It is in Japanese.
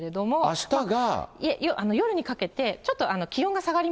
あしたが。